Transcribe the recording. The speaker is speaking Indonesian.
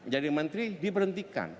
jadi menteri di berhentikan